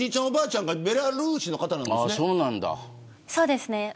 おばあちゃんがベラルーシの方なんですね。